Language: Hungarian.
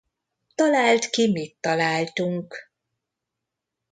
Találd ki mit találtunk!